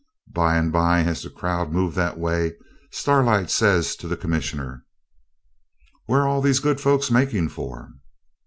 By and by, as the crowd moved that way, Starlight says to the Commissioner 'Where are all these good folks making for?'